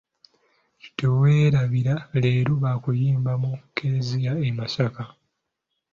Teweerabira, leero baakuyimba mu keleziya e Masaka.